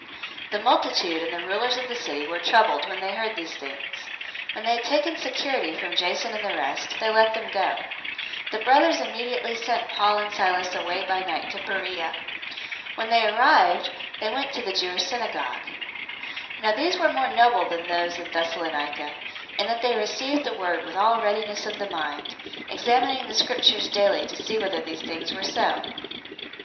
017:008 The multitude and the rulers of the city were troubled when they heard these things. 017:009 When they had taken security from Jason and the rest, they let them go. 017:010 The brothers immediately sent Paul and Silas away by night to Beroea. When they arrived, they went into the Jewish synagogue. 017:011 Now these were more noble than those in Thessalonica, in that they received the word with all readiness of the mind, examining the Scriptures daily to see whether these things were so.